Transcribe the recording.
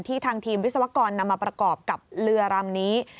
ทางทีมวิศวกรนำมาประกอบกับเรือลำนี้